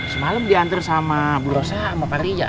semalam dianter sama bu rosa sama pak rija